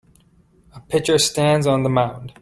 A pitcher stands on the mound.